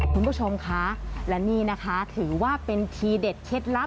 คุณผู้ชมคะและนี่นะคะถือว่าเป็นทีเด็ดเคล็ดลับ